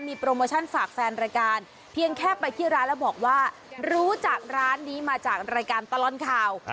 มีโปรโมชั่นฝากแฟนรายการเพียงแค่ไปที่ร้านแล้วบอกว่ารู้จักร้านนี้มาจากรายการตลอดข่าว